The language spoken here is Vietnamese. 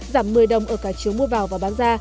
giảm một mươi đồng ở cả chiều mua vào và bán ra